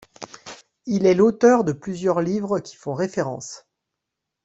Il est l'auteur de plusieurs livres qui font référence.